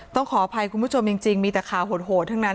ต้องขออภัยคุณผู้ชมจริงมีแต่ข่าวโหดทั้งนั้น